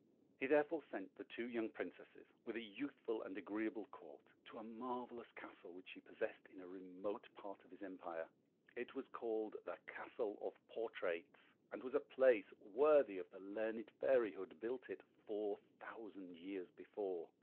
He therefore sent the two young Princesses, with a youthful and agreeable Court, to a marvellous castle which he possessed in a remote part of his empire: it was called the Castle of Portraits, and was a place worthy of the learned fairy who had built it four thousand years before.